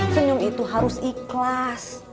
senyum itu harus ikhlas